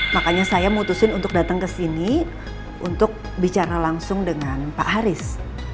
makanya saya mutusin untuk datang ke sini untuk bicara langsung dengan pak haris